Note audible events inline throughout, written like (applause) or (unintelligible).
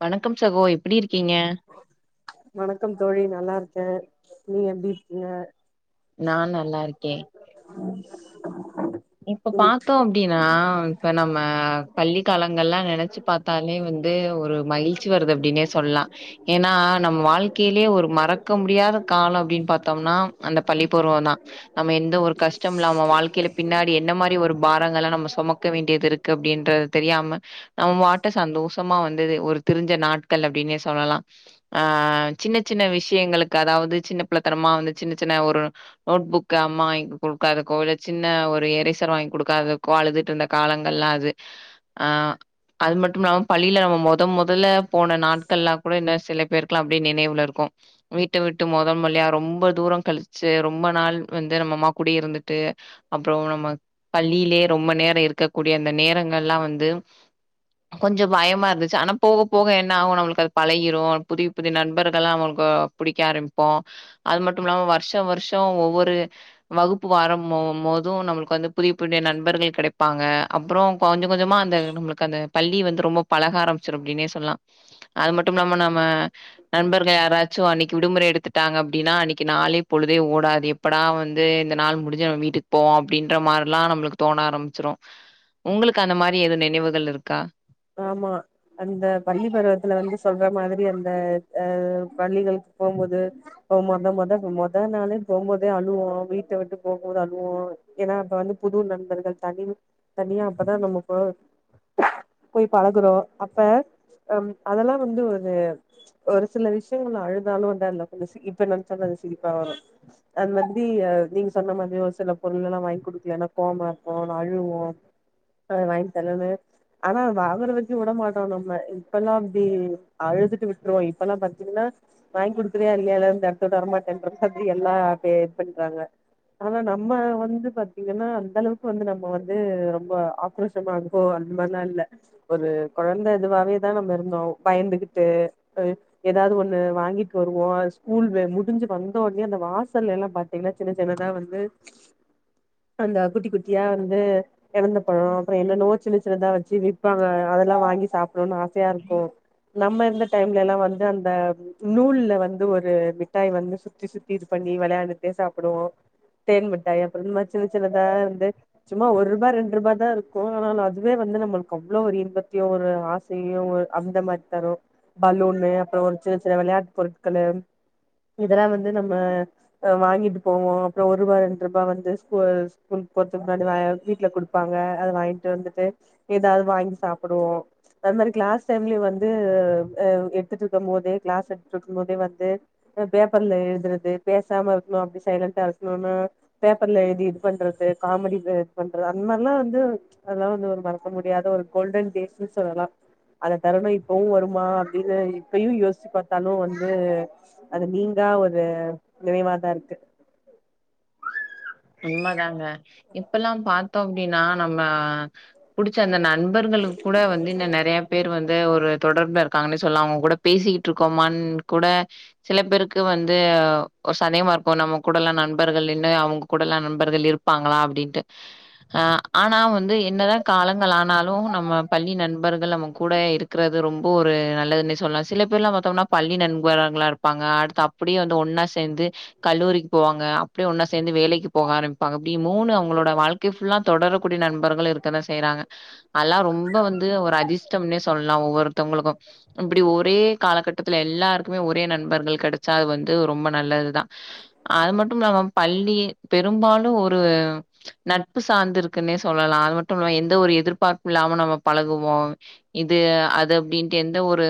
வன தும் சகோ எப்புடி இருக்கீங்க வணக்கம் தோழி நல்லா இருக்கேன் நீ எப்புடி இருக்கீங்க நா நல்லா இருக்கே உம் இப்ப பாத்தோம் அப்டின்னா இப்ப நம்ம பள்ளிக்கலங்கள்ல்லா நெனச் ச்சு பாத்தாலே வந்து ஒரு மகிழ்ச்சி வருது அப்புடின்னே சொல்லலாம் ஏன்னா நம்ம வாழ்க்கையிலயே ஒரு மறக்க முடியாத காலம் அப்டின்னு பாத்தோம்னா அந்த பள்ளிப்பருவம் தான் நம்ம எந்த ஒரு கஷ்டம் இல்லாம வாழ்க்கையில பின்னாடி என்ன மாரி ஒரு பாரங்கள்ல்லா நம்ம சுமக்க வேண்டியது இருக்கு அப் அப்படின்றது தெரியாம நம்ம வாட்டு சந்தோஷமா வந்து து ஒரு திறிஞ்ச நாட்கள் அப்டின்னே சொல்லலாம் ஆ சின்ன சின்ன விஷயங்களுக்கு அதாவது சின்ன பிள்ளத்தனமா வந்து சின்ன சின்ன ஒரு நோட் புக் அம்மா இங்கு குடுக்காது கோல சின் ன ஒரு இறைசர் வாங்கி குடுக்காத கு அழுதுட்ருந்த காலங்கள்லா அது ஆ அது மட்டும் இல்லாமல் பள்ளியில நம்ம மொத மொதல்ல போன நாட்கள்லா கூட இன்னும் சில பேர்க்ளாம் அப்டியே நினைவுல இருக்கும் வீட்ட விட்டு மொத மொல்லியா ரொம்ப தூரம் கழிச்சு ரொம்ப நாள் வந்து நம்ம அம்மா கூடயே இருந்துட்டு அப்புறம் நம்ம பள்ளியிலயே ரொம்ப நேரம் இருக்கக்கூடிய அந்த நேரங்கள் லாம் வந்து, கொஞ்சம் பயமா இருந்துச்சு ஆனா போக போக என்ன ஆகும் நம்மளுக்கு அது பழகிரூ புதிய புதிய நண்பர்கள்ல்லாம் நம்மளுக்கு புடிக்க ஆரம்பிப்போம் அது மட்டும் இல்லாம வருஷம் வருஷம் ஒவ்வொரு வகுப்பு வரம்மோ மோத் து நம்மளுக்கு வந்து புதிய புதிய நண்பர்கள் கிடைப்பாங்க அப்புறோம் கொஞ்ச கொஞ்சமா அந்த நம்மளுக்கு அந்த பள்ளி வந்து ரொம்ப பழக ஆரம்பிச்சிரு அப்டினே சொல்லலா அது மட் ட்டும் நாம நம்ம நண்பர்கள் யாராச்சும் அன்னைக்கு விடுமுறை எடுத் த்துட்டாங்க அப்டின்னா அன்னைக்கு நாளே பொழுதே ஓடாது எப்படா வந்து இந்த நாள் முடிஞ்சு நம்ம வீட்டுக்கு போம் அப்டின்ற மாரிலா நம்மளுக்கு தோண ஆரம்பிச்சிரும் உங்களுக்கு அந்த மாரி எது நினைவுகள் இருக்கா ஆமா அந்த பள்ளி பருவத்துல வந்து சொல்ற மாதிரி அந்த அ பள்ளிகளுக்கு போம்போது போ மொத மொத மொத நாளே போம்போதே அழுவோம் வீட்ட விட்டு போகும் போது அழுவோம் ஏன்னா அப்ப வந்து புது நண்பர்கள் தனிம் தனியா அப்பதான் நம்ம போ போய் பழகுறோம் அப்ப அம் அதல்லா வந்து ஒரு ஒரு சில விஷயங்கள்ல அழுதாலும் அந்து அதுல கொஞ்சம் சி இப்ப என்னச்சாலும் அது சிரிப்பா வரும் அது மாதிரி அ நீங்க சொன்ன மாதிரி ஒரு சில பொருள் எல்லாம் வாங்கி குடுக்கல னா கோவமார்ப்போ னா அழுவோம் அத வாங்கி தர்லன்னு ஆனா வாங்குற வரைக்கும் விட மாட்டோம் நம்ப இப்பல்லாம் அப்டி அழுதுட்டு விட்ருவோம் இப்பல்லாம் பாத்தீங்கன்னா வாயிங் குடுக்குறையா இல்லையா இந் இடத்துட்டு வரமாட்டேன்ற மாதுரி எல்லாம்ப்பே இது பண்றாங்க ஆனா நம்ம வந்து பாத்தீங்கன்னா அந்த அளவுக்கு வந்து நம்ம வந்து ரொம்ப ஆக்ரோஷமா இருக்கோ அந்த மறு நாள் ல ஒரு குழந்த இதுவாவேதான் நம்ம இருந்தோம் பயந்துகுட்டு் அ ஏதாவது ஒண்ணு வாங்கிட்டு வருவோம் அ ஸ்கூல் வே முடிஞ்சு வந்தோ உடனே அந்த வாசல்ல எல்லாம் பாத்தீங்கன்னா சின்ன சின்னதா வந்து அந்த குட்டி குட்டியா வந்து எலந்த பழோ அப்புறம் என்னன்னவோ சின்ன சின்னதா வச் ச்சி விப்பாங்க அதெல்லாம் வாங்கி சாப்புடணும்னு ஆசையா இருக்கும் நம்ம இருந்த டைம்ல எல்லாம் வந்து அந்த நூல்ல வந்து ஒரு மிட்டாய் வந்து சுத்தி சுத்தி இது பண்ணி விளையாண்டுட்டே சாப்புடுவோம் தேன் மிட்டாய் அப்புற இந் மாரி சின்ன சின்னதா வந்து சும்மா ஒர் ரூபா ரெண்ட் ரூபா தா இருக்கும் ஆனா னா அதுவே வந்து நம்மள் கவ்ளோ ஒரு இன்பத்தையும் ஒரு ஆசையும் ஒரு அந்த மாரி தரும் பலூனு அப்புறம் ஒரு சின்ன சின்ன விளையாட்டு பொருட்களு இதல்லா வந்து நம்ம அ அ வாங்கிட்டு போவோ அப்புறம் ஒர் ரூபா ரெண்டு ரூபா வந்து ஸ்கூ அ ஸ்கூலுக்கு போறதுக்கு முன்னாடி வீட்ல குடுப்பாங்க அத வாங்கிட்டு வந்துட்டு ஏதாவது வாங்கி சாப்புடுவோம் அது மாரி கிளாஸ் டைம்லயோ வந்து அ எடுத்துட்ருக்கும் போதே கிளாஸ் எடுத்துட்ருக்கும்போதே வந்து அ பேப்பர்ல எழுதுறது பேசாம இருக்கணும் அப்டி சைலண்டா இருக்குணுன்னு பேப்பர்ல எழுதி இது பண்றது காமெடி இது பண்ற அந்த மாரிலாம் வந்து அதெல்லாம் வந்து ஒரு வரம் ப முடியாத ஒரு கோல்டன் டேஸ்ன்னு சொல்லலாம் அந்த தருணம் இப்பவும் வருமா அப்டின்னு இப்பயும் யோசிச்சு பாத்தாலும் வந்து அது நீங்கா ஒரு நினைவாதான் இருக்கு உண்மதாங்க இப்பெல்லாம் பாத்தோம் அப்டின்னா நம்ம புடிச்ச அந்த ந ண்பர்களுக்கு கூட வந்து இன்ன நறையா பேர் வந் து ஒரு தொடர்புள இருக்காங்கன்னே சொல்லா அவங்க கூட பேசிக்கிட்ருக்கோ மா கூட சில பேருக்கு வந்து ஒர் சந்தேகமா இருக்கும் நம்ம கூடல்லாம் நண்பர்கள் இன்னு அவங்க கூடல்லா நண்பர்கள் இருப்பாங்களா அப்டின்ட்டு அ ஆனா வந்து என்னதான் காலங்கள் ஆனாலும் நம்ம பள்ளி நண்பர்கள் நம்ம கூட இருக்குறது ரொம்போ ஒரு நல்லதுன்னே சொல்லலாம் சில பேர்ல பாத்தோம்னா பள்ளி நண்பர்களா இருப்பாங்க அடுத்து அப்புடியே வந்து ஒன்னா சேந்து கல்லூரிக்கு போவாங்க அப் ப்டியே ஒன்னா சேந்து வேலைக் போக ஆரம்பிப்பாங்க இப்டி மூணு அவங்களோட வாழ்க்கை ஃபுல்லா தொடர கூடிய நண்பர்களு இருக்க தா செய்றாங்க அத்லா ரொம்ப வந்து ஒரு அதிர்ஷ்டம்னே சொல்லலா ஒவ்வொருத்தவங்களுக்கு இப்டி ஒரே காலகட்டத்துல எல்லாருக்குமே ஒரே நண்பர்கள் கடச்சா அது வந்து ரொம்ப நல்லதுதா அது மட்டுமில்லாம பள்ளி பெரும்பாலும் ஒரு நட்பு சார்ந்து இருக்குன்னே சொல்லலா அது மட்டுமில்லாம எந்த ஒரு எதிர்பார்ப்பு இல்லாம நம்ம பழகுவோ இது அது அப்டின்ட்டு எந்த ஒரு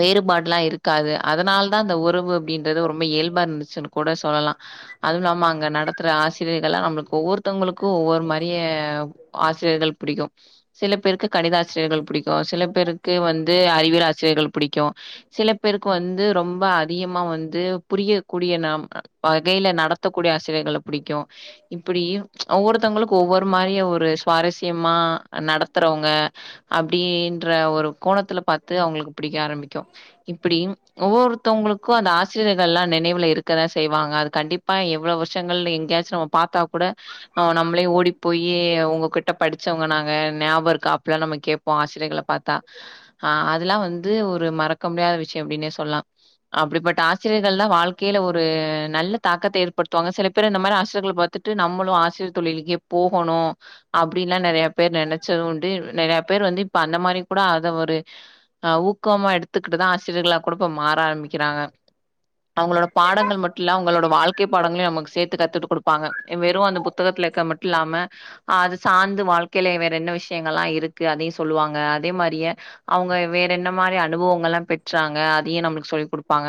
வேறுபாட்ல்லா இருக் க்காது அதனால தா அந்த உறவு அப்டின்றது ரொம்ப இயல்பா இருந்துச்ன்னு கூட சொல்லலா அதுவும் இல்லாம அங் நடத்துற ஆசிரியர்கள்ல்லா நம்மளுக்கு ஒவ்வொருத்தவங்களுக்கு ஒவ்வொரு மாரியே ஆசிரியர்கள் பிடிக்கு சில பேருக்கு கணித ஆசிரியர்கள் பிடிக்கு சில பேருக்கு வந்து அறிவியல் ஆசிரியர்கள் பிடிக்கு. சில பேருக்கு வந்து ரொம்ப அத் அதிகமா வந்து புரியக்கூடிய நாம் வகைய்ல நடத்தக்கூடிய ஆசிரி புடிக்கூ இப்டி ஒவ்வொருத்தவங்களுக்கு ஒவ்வொரு மாரிய ஒரு சுவாரஸ்யமா நடத்துறவங்க அப்டின்ற ஒரு கோணத்துல பாத்து அவுங்களுக்கு பிடிக்க ஆரம்பிக்கூ. இப்டி ஒவ்வொருத்தவங்களுக்கு அந்த ஆசிரியர்கள் எல்லா நெனைவுல இருக்க தா செய்வாங்க. அது கண்டிப்பா எவ்வளவு வருசத் விஷயங்கள்னு எங்கேயாச்சு நம்ம பாத்தா கூட நம்ம நம்மளேயு ஓடிப் போய் ஒங்ககிட்ட படிச்சவங்க நாங்க ஞாபக இருக்கா அப்டில்லா நம்ம கேப்போ ஆசிரியர்கள பாத்தா. ஆ அதெல்லா வந்து ஒரு மறக்க முடியாத விஷயம் அப்டின்னே சொல்லலா. அப்படிப்பட்ட ஆசிரியர்கள் தா வாழ்க்கையில ஒரு நல்ல தாக்கத்தை ஏற்படுத்த சில பேர் இந்த மாரி ஆசிரியர்கர்கள பாத்துட்டு நம்மளு ஆசிரியர் தொழிலுக்கே போவ் போணு அப்டின்ல்லா நெறையா பேர் நெனைச்சது உண்டு. நெறையா பேர் வந்து இப்ப அந்த மாரி கூட அத ஒரு ஊக்கமா எடுத்துக்கிட்டு தா ஆசிரியர்களா கூட இப்ப மாற ஆரம்பிக்கிறாங்க. அவங்களோட பாடங்கள் மட்டு இல்ல. அவங்களோட பாடங்களையும் நமக்கு சேத்து கத்துட்டு குடுப்பாங்க. வெறு அந்த புத்தகத்து இருக்கது மட்டு இல்லாம அது சார்ந்து வாழ்க் கைல வேற என்ன விஷயங்கள் எல்லா இருக்கு அதையு சொல்லுவாங்க. அதே மாரிய அவுங்க வேற என்ன மாரி அனுபவங்கள் எல்லா பெற்றாங்க அதையும் நம்மளுக்கு சொல்லிக் குடுப்பாங்க.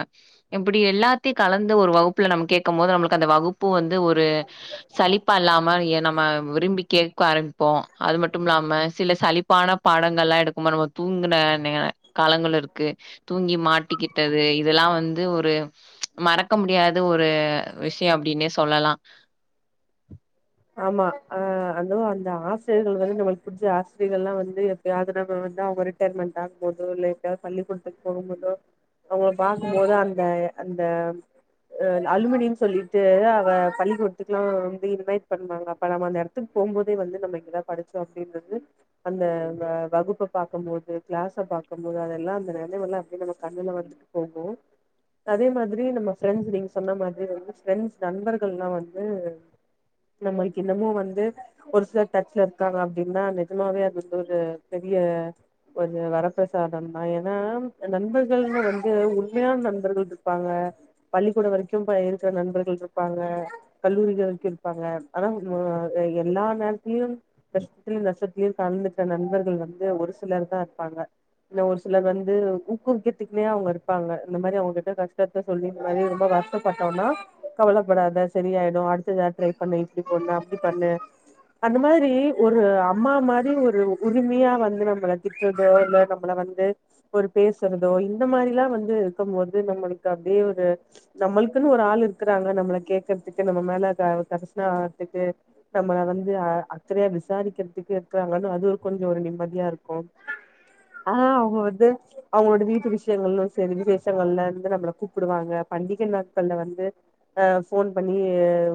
இப்டி எல்லாத்தை கலந்த ஒரு வகுப்புல நம்ம கேக் மொதல்ல அந்த வகுப் பூ வந்து ஒரு சலிப்பா இல்லாம ஏ நம்ம விரும்பி கேட்க ஆரம்பி ப்போ. அது மட்டுமில்லாம சில சலிப்பான பாடங்கள்லா எடுக்கும்போது நம்ம தூங்குன காலங்கள் இருக்கு. தூங்கி மாட்டிக்கிட்டது இதெல்லா வந்து ஒரு மறக்க முடியாத ஒரு விஷயம் அப்டின்னே சொல்லலா ஆமா அ அதுவு அந்த ஆசிரியர்கள் வந்து நம்மளுக்கு பிடிச்ச ஆசிரியர்கள் எல்லா வந்து எப்பயாவது நம்ம வந்து அவங்க ரிட்டையர்மெண்ட் ஆகும்போதோ இல்ல எங்கயாவது பள்ளிக்கூடத்துக்கு போகும் போதோ அவங்கள பாக்கும்போதோ அந்த அந்த அலுமினின் சொல்லிட் அ பள்ளிக்கூடத்துக்கு எல்லா வந்து இன்வைட் பண்ணுவாங்க. அப்ப நம்ம அந்த எடத்துக்கு போகும்போதே வந்து நம்ம இங்கே தா படிச்சோ அப்டின்றது அந்த அந்த வகுப்ப பாக்கம்போது, கிளாஸ பாக்கம்போது, அதெல்லா அந்த நெலையெல்லா அப்டியே நம்ம கண்ணுல வந்துட் போகூ. அதே மாதிரி நம்ம ப்ரெண்ட்ஸ் நீங்க சொன்ன மாதிரி வந்து ப்ரெண்ட்ஸ், நண்பர்கள் எல்லா வந்து நம்மளுக்கு இன்னமு வந்து ஒரு சிலர் டச்ல இருக்காங்க அப்டின்னா நெஜமாவே அது வந்து ஒரு பெரிய ஒரு வரப்பிரசாதந் தா. ஏன்னா நண்பர்கள்னு வந்து உண்மையான நண்பர்கள் இருப்பாங்க, பள்ளிக்கூடொ வரைக்கு இருக்ற நண்பர்கள் இருப்பாங்க, கல்லூரிகள் வரைக் ஆனா எல்லா நேரத்திலயு, கஷ்டத்திலயு, நஷ்டத்திலயு கலந்துக்கற நண்பர்கள் வந்து ஒரு சிலர் தா இருப்பாங்க. இன்னு ஒரு சிலர் வந்து ஊக்குவிக்கத்துக்குனே அவங்க இருப்பாங்க. இந்த மாரி அவங்கிட்ட கஷ்டத்த சொல்லி இந்த மாரி ரொம்ப வருத்தப்பட்டோனா கவலப்படாத செரியாய்டு அடுத்து ஏதாச் ட்ரை பண்ணு, இப்டி பண்ணு, அப்டி பண்ணு, அந்த மாரி ஒரு அம்மா மாரி ஒரு உரிமையா வந்து நம்மள திட்றதோ, இல்ல நம்மள வந்து ஒரு பேசுறதோ இந்த மாரி எல்லா வந்து இருக்கம்போது நம்மளுக்கு அப்டியே ஒரு நம்மளுக்குன்னு ஒரு ஆள் இருக்றாங்க நம்மள கேக்கறதுக்கு நம்ம மேல கரிசன ஆறதுக்கு நம்மள வந்து அக்கறையா விசாரிக்றதுக்கு இருக்றாங்கன்னு அது ஒரு கொஞ்சொ ஒரு நிம்மதியா இருக்கூ. ஆ அவுங்க வந்து அவங்களோட வீட்டு விஷயங்களு சரி, விசஷங்கள்ல வந்து நம்மள கூப்டுவாங்க. பண்டிகை நாட்கள்ல வந்து அ போன் பண்ணி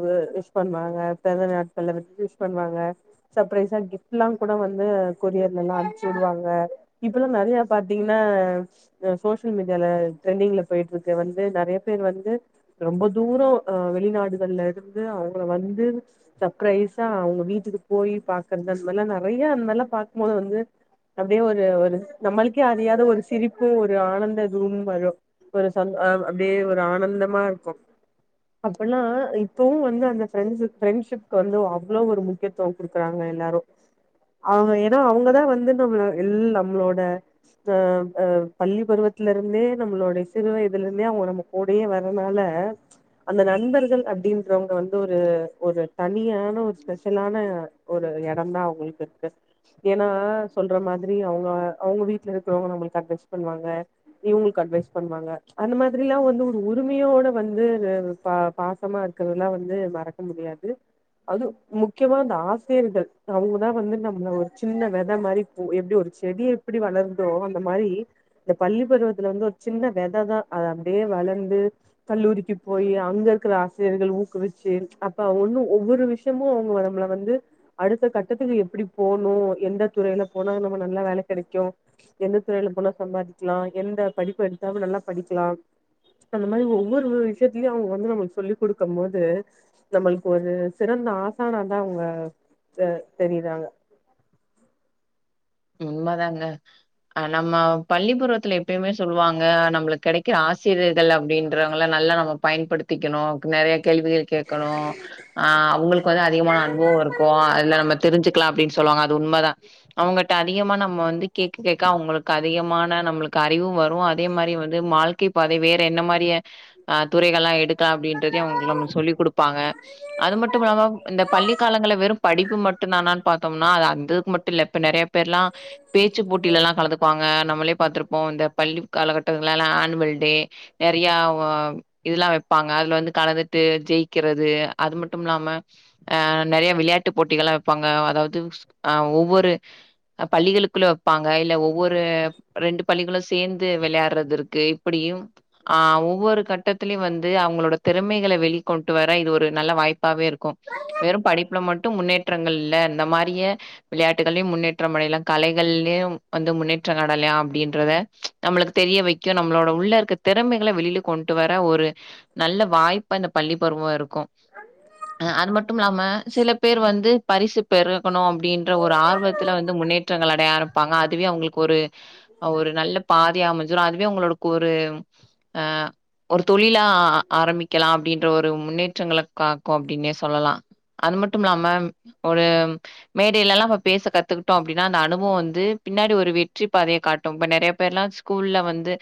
வி-விஷ் பண்ணுவாங்க. பிறந்த நாட்கள்ல வந்து விஷ் பண்ணுவாங்க. சர்ப்ரைஸா கிப்ட் எல்லா கூட வந்து கொரியர்ல எல்லா அனுப்ச்சி விடுவாங்க. இப்பல்லா நெறையா பாத்தீங்ன்ன சோசியல் மீடியால ட்ரெண்டிங்ல போய்ட்டு இருக்கு வந்து நெறைய பேர் வந்து ரொம்ப தூரம் அ வெளிநாடுகள்ல இருந்து அவுங் அப்றொ வந்து சர்ப்ரைஸா அவங்க வீட்டுக்குப் போய் பாக்கறது அந்தமேரில்லா நெறையா அந்தமேரில்லா பாக்கம்போது வந்து அப்டியே ஒரு ஒரு நம்மளுக்கே அறியாத ஒரு சிரிப்பு, ஒரு ஆனந்த இதுவும் வரும். ஒரு சந்தோ அப்டியே ஒரு ஆனந்தமா இருக்கூ. அப்டில்லா இப்பவும் வந்து அந்த ஃப்ரெண்ட்ஸ் ஃப்ரெண்ட்ஷிப் சொல்லுவோ. அவ்ளவு ஒரு முக்யத்துவொ குடு குறாங்க எல்லாரு. அவங்க ஏன்னா அவங்க தா வந்து நம்மள எல் நம்மளோட அஹ் பள்ளி பருவத்ல இருந்தே நம்மளோட சிறு வயதுல இருந்தே அவுங்க நம்ம கூடயே வரனால அந்த நண்பர்கள் அப்டின்றவங்க வந்து ஒரு தனியான, ஒரு ஸ்பெஷலான ஒரு எடந்தா அவங்களுக்கு இருக்கு. ஏன்னா சொல்ற மாதிரி அவுங்க அவுங்க வீட்ல இருக்றவங்க நமக்கு அட்வைஸ் பண்ணுவாங்க, இவங்களுக்கு அட்வைஸ் பண்ணுவாங்க. அந்த மாதிரில்லா வந்து ஒரு உரிமையோட வந்து பாசமா இருக்றது எல்லா வந்து மறக்க முடியாது. அதூ முக்யமா அந்த ஆசிரியர்கள் அவுங்கதா வந்து நம்மள ஒரு சின்ன வெதை மாரி எப்டி ஒரு செடி எப்டி வளருதோ, அந்த மாரி இந்த பள்ளிப்பருவத்துல வந்து ஒரு சின்ன வெததா. அப்டியே வளர்ந்து, கல்லூரிக்குப் போய் அங்க இருக்கிற ஆசிரியர்கள் ஊக்குவித் சேரி அப்ப ஒண்ணு ஒவ்வொரு விஷயமும் அவுங்க நம்மள வந்து அடுத்த கட்டத்துக்கு எப்டி போணு, எந்த துறையில போனா நம்ம நல்லா வேலை கெடெக்கூ, எந்த துறையில போனா சம்பாரிக்லா, எந்த படிப்பு எடுத்தா நல்லா படிக்லா அந்த மாரி ஒவ்வொரு விஷயத்துலயு அவுங்க வந்து நம்மளுக்கு சொல்லிக் குடுக்கம்போது நம்மளுக்கு ஒரு சிறந்த ஆசானா தா அவுங்க ஹ தெரியிறாங்க உண்மதாங்க அ நம்ம பள்ளிப்பருவத்ல எப்பயுமே சொல்லுவாங்க நம்மளுக்கு கெடெக்ற ஆசிரியர்கள் அப்டின்றவங்கல்ல நல்லா நம்ம பயன்படுத்திக்கணு நெறைய கேள்விகள் கேட்கணு ஆ அவுங்களுக்கு வந்து அதிகமான அனுபவம் இருக்கூ. அதுல நம்ம தெரிஞ்சுக்லா அப்டின் சொல்லுவாங்க உண்ம தா அவுங்க ட அதிகமா நம் வந்து கேக்க கேக் க அவுங்களுக்கு அதிகமான நம்ளுக்கு அறிவு வரு அதே மாரி வந்து வாழ்க்கை பாதை வேற என்ன மாரிய துறைகள்லா எடுத்து அப்டின்றதயு அவங்களு நம்ளு சொல்லி குடுப்பாங்க அது மட்டு இல்லாம இந்த பள்ளிக்காலங்கள்ல வெறும் படிப்பு மட்டு தானு பாத்தோம்னா அது அந்தக்கு மட்டு இல்ல இப்ப நெறைய பேர் ர்ல்லா பேச்சு போட்டிலலா கலந்துக்குவாங்க நம்ளே பாத்திருப்போ இந்த பள்ளி காலகட்டங்கள ஆணுவல் நெறைய உ இதெல்லா வைப்பாங்க அதுல வந்து கலந்துட்டு ஜெய்குறது அது மட்டு இல்லாம அ நெறைய விளையாட் எட்டு போட்டிகள்லா வைப்பாங்க அதாவது ஆ ஒவ்வொரு பள்ளிகளுக் குள்ள வைப்பாங்க இல்ல ஒவ்வொரு ரெண்டு பள்ளிகளும் சேர்ந்து விளையாடுறது இருக் இப்டியும் ஆஹ் ஒவ்வொரு கட்டத்திலயும் வந்து இது அவங்களோட திறமைகள வெளிக் கொண்ட்டு வர இது ஒரு நல்ல வாய்ப் வாய்ப்பாவே இருக்கும் வெறும் படிப்புல மட்டு ப்பு முன்னேற்றங்கள் இல்ல இந்த மாரியே விளையாட்டுகளையும் முன்னேற் நம்முடைய கலைகள்யும் வந்து முன்னேற்றம் காணலாயாம் அப்டின்றத நம்மளுக்கு தெரிய வைக்கும் நம்ளோட உள்ள இருக்க திறமைகள வெளி கொண்டு வர ஒரு நல்ல வாய்ப்பா இந்த பள்ளி பருவம் இருக்கு க்கும் அது மட்டுமில்லாம சில பேர் வந்து பரிசு பெருகணும் அப்டின்ற ஒரு ஆர்வத் அவங்களுக்கு ஒரு ஒரு நல்ல பாதையா அமைஞ்சிரும் அதுவே உங்களுக்கு ஒரு அ ஒரு தொழிலா ஆரம்பிக்கலாம் அப்டின்ற ஒரு (unintelligible) காக்கும் அப்டினே சொல்லலாம் அது மட்டும் இல்லாம ஒரு மேடையிலே எல்லாம் பேச கத் கத்துக்கிட்டோ அப்டினா அந்த அனுபவம் வந்து பின்னாடி ஒரு வெற்றி பாதைய காட்டும் இப்ப நெறைய பேர்லா ஸ்கூல்ல வந்து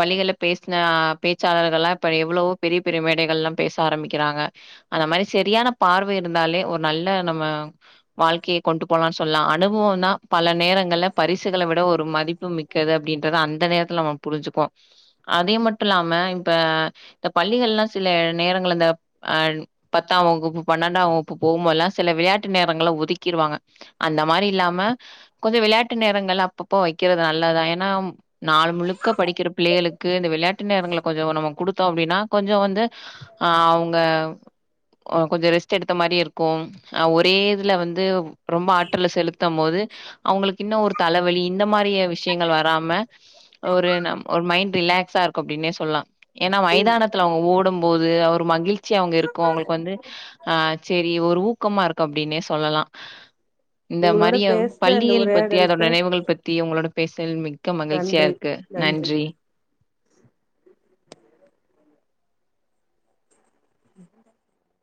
வழிகள பேசின பேச்சாளர்கள்லா இப்ப எவ்ளோ பெரிய பெரிய மேடைகள்ல பேச ஆரம்பிக்கறாங்க அந்த மாரி செரியான பார்வை இருந்தாலே ஒரு நல்ல நம்ம வாழ்க்கைய கொண்டு போலானு சொல்லலா அனுபவம் தா பல நேரங்கள்ல பரிசுகள விட ஒரு மதிப் மிக்கது அப்டின்றது அந்த நேரத்துல நம்ம புரிஞ்சுக்கோ அதே மட்டு இல்லாம இப்ப இந்த பள்ளிகள்லா சில நேரங்கள் இந்த அஹ் பத்தாம் வகுப்பு பன்னெண்டாம் வகுப்பு போகும்போலெலா சில விளையாட்டு நேரங்களை ஒதுக்கிடுவாங்க அந்த மாரி இல்லாம கொஞ்சோ விளையாட்டு நேரங்கள் அப்பப்போ வைக் படிக்கிறது நல்லாதா ஏன்னா நாள் முழுக்க படிக்கிற பிள்ளைகளுக் இந்த விளையாட்டு நேரங்கள கொஞ்சோ நம்ம குடுத்தோ அப்டினா கொஞ்சோ வந்து அவங்க கொஞ்சோ ரெஸ்ட் எடுத்த மாரி இருக்கும் ஒரே இதுல வந்து ரொம்ப ஆற்றல செலுத் த்தும் போது அவங்களுக்கு இன்னும் ஒரு தலவலி இந்த மாரி விஷ் விஷயங்கள் வராம ஒரு நம் ஒரு மைண்ட் ரிலாக்ஸா இருக்கு அப்டினே சொல்லலா ஏன்னா உங் மைதானத்துல அவங்க ஓடும் போது அவரு மகிழ்ச்சியா அவங்க இருக் கும் அவங்களுக்கு வந்து ஆஹ் சரி ஒரு ஊக்கமாருக்கும் அப்டீனே சொல்லலாம் உங்களோட பேசுன இந்த பள்ளியியல் பத்தி அதோட உரையாடலுக்கு நெனைவுகள் பத்தி உங்களோட பெஷல் (unintelligible) மிக்க மகிழ்ச்சியா இருக்கு நன்றி (inaudible)